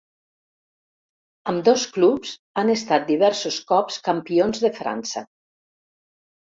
Ambdós clubs han estat diversos cops campions de França.